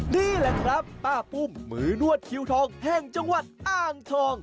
นี่แหละครับป้าปุ้มมือนวดคิวทองแห่งจังหวัดอ้างทอง